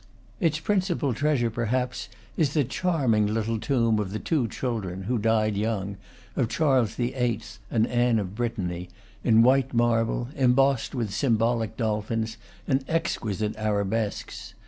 Its principal treasure, perhaps, is the charming little tomb of the two children (who died young) of Charles VIII. and Anne of Brittany, in white marble, embossed with sym bolic dolphins and exquisite arabesques.